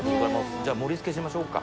じゃあ盛り付けしましょうか。